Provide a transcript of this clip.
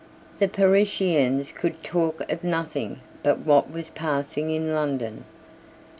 The Parisians could talk of nothing but what was passing in London.